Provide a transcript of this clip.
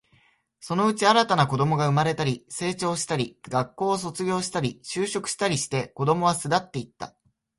そのうち、新たな子供が生まれたり、成長したり、学校を卒業したり、就職したりして、子供は巣立っていった